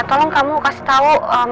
tolong kamu kasih tau